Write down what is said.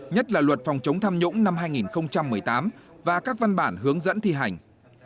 nhất là luật phòng chống tham nhũng năm hai nghìn một mươi tám và các văn bản hướng dẫn thi hành